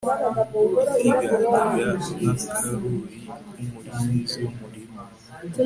idigadiga nk'akaruri k'umurinzi w'umurima